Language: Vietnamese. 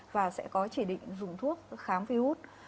và sẽ có chỉ định dùng thuốc khám viếu út